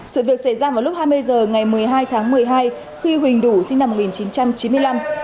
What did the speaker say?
sự việc xảy ra vào lúc hai mươi h ngày một mươi hai tháng một mươi hai khi huỳnh đủ sinh năm một nghìn chín trăm chín mươi năm